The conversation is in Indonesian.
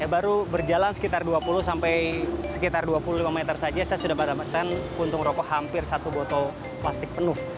baru berjalan sekitar dua puluh sampai sekitar dua puluh lima meter saja saya sudah mendapatkan puntung rokok hampir satu botol plastik penuh